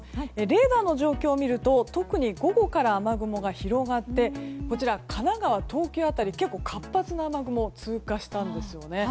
レーダーの状況を見ると特に午後から雨雲が広がって、神奈川、東京辺り結構、活発な雨雲が通過したんですよね。